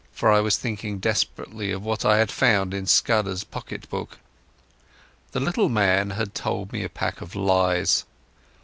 For I was thinking desperately of what I had found in Scudder's pocket book. The little man had told me a pack of lies.